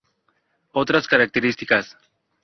Otras características.